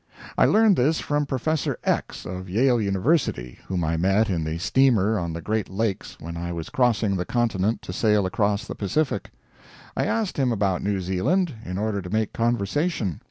I learned this from Professor X., of Yale University, whom I met in the steamer on the great lakes when I was crossing the continent to sail across the Pacific. I asked him about New Zealand, in order to make conversation.